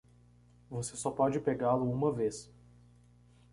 Você só pode pegá-lo uma vez